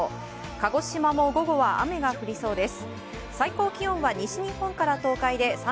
鹿児島も午後は雨が降りそうです。